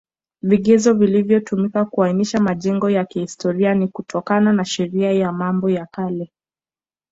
Vigezo vilivyotumiwa kuainisha majengo ya kihstoria ni kutokana na Sheria ya mambo ya Kale